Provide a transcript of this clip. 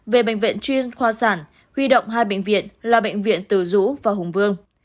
về bệnh viện chuyên khoa sản huy động hai bệnh viện là bệnh viện từ dũ và hùng vương